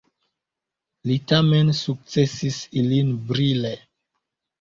Li tamen sukcesis ilin brile.